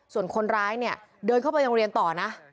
ส่วนคนร้ายเนี่ยเดินเข้าไปยังเรียนต่อนะ